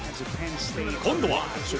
今度は。